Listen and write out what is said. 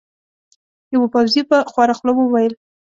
یوه پوځي په خواره خوله وویل.